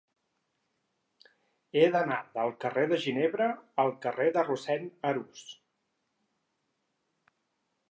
He d'anar del carrer de Ginebra al carrer de Rossend Arús.